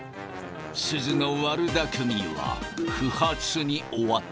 すずの悪だくみは不発に終わった。